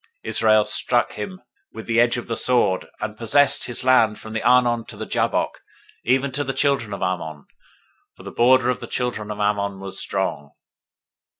021:024 Israel struck him with the edge of the sword, and possessed his land from the Arnon to the Jabbok, even to the children of Ammon; for the border of the children of Ammon was strong.